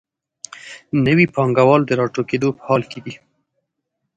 نوي پانګوال د راټوکېدو په حال کې دي.